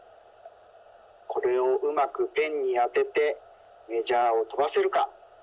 これをうまくペンにあててメジャーをとばせるか。